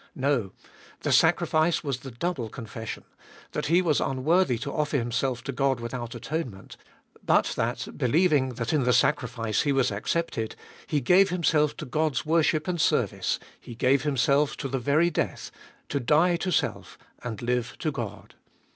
No, the sacrifice was the double confession — that he was unworthy to offer himself to God without atonement, but that, believing that in the sacrifice he was accepted, he gave himself to God's worship and service, he gave himself to the very death, to die to self and live to God.